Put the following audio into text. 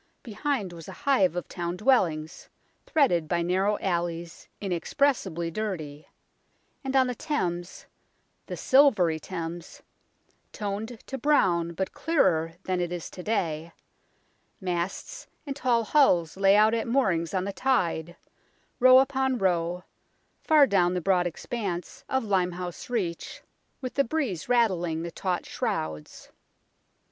Behind was a hive of town dwellings, threaded by narrow alleys, inexpressibly dirty ; and on the Thames " the silvery Thames," toned to brown but clearer than it is to day masts and tall hulls lay out at moorings on the tide, row upon row, far down the broad expanse of Limehouse Reach, with WAI'PING OLD STAIRS WAPPING HIGH STREET 109 the breeze rattling the taut shrouds.